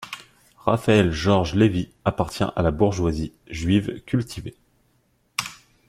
Raphaël-Georges Lévy appartient à la bourgeoisie juive cultivée.